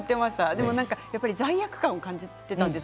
でも罪悪感を感じていたんです。